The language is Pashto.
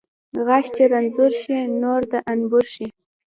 غاښ چې رنځور شي، نور د انبور شي.